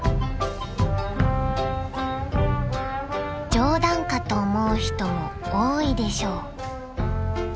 ［冗談かと思う人も多いでしょう］